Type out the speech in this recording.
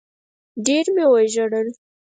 ډېر مي وژړل